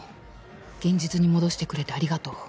現実に戻してくれてありがとう。